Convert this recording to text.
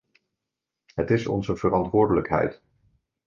Het is onze verantwoordelijkheid.